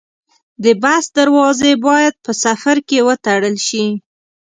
د بس دروازې باید په سفر کې وتړل شي.